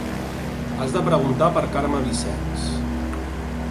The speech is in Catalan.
Has de preguntar per Carme Vicenç.